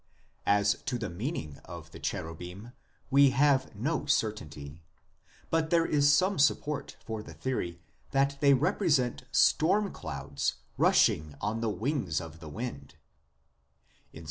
As to the meaning of the cherubim we have no certainty, but there is some support for the theory that they represent storm clouds rushing on "the wings of the wind"; in Ps.